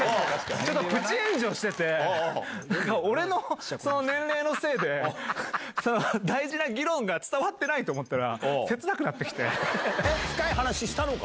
ちょっとプチ炎上してて、俺の年齢のせいで、大事な議論が伝わってないと思ったら、切なく深い話したのか？